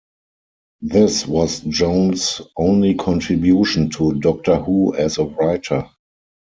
This was Jones' only contribution to Doctor Who as a writer.